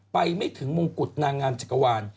ไม่ถึงมงกุฎนางงามจักรวาล